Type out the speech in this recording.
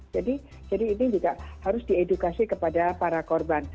ini juga harus diedukasi kepada para korban